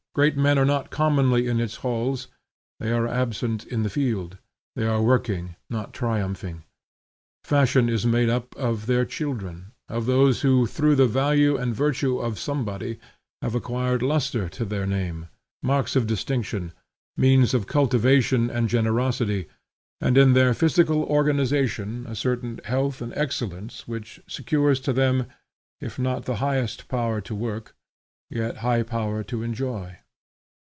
Great men are not commonly in its halls; they are absent in the field: they are working, not triumphing. Fashion is made up of their children; of those who through the value and virtue of somebody, have acquired lustre to their name, marks of distinction, means of cultivation and generosity, and, in their physical organization a certain health and excellence which secures to them, if not the highest power to work, yet high power to enjoy.